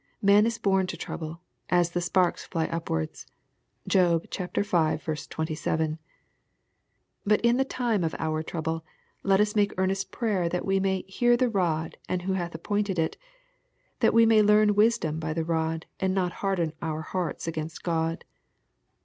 Man is born to trouble, as the sparks fly upwards. (Job V. 27.) But in the time of our trouble, let us make earnest prayer that we may " hear the rod and who hath appointed it," that we may learn wisdom by the rod, and not harden our hearts against God.